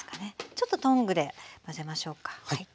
ちょっとトングで混ぜましょうか。